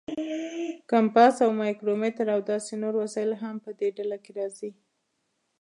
کمپاس او مایکرومیټر او داسې نور وسایل هم په دې ډله کې راځي.